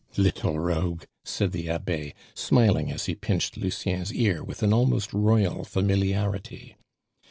"Little rogue," said the Abbe, smiling as he pinched Lucien's ear with an almost royal familiarity.